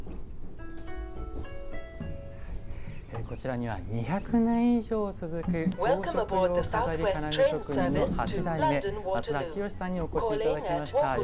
こちらには２００年以上続く装飾用錺金具職人の八代目松田聖さんにお越しいただきました。